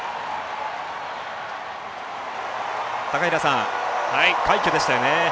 高平さん、快挙でしたよね。